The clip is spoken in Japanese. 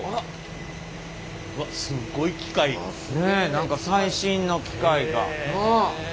何か最新の機械が。